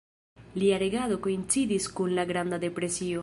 Lia regado koincidis kun la Granda Depresio.